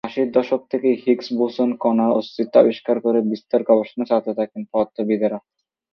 ষাটের দশক থেকেই হিগস বোসন কণার অস্তিত্ব আবিষ্কারে বিস্তর গবেষণা চালাতে থাকেন পদার্থবিদেরা।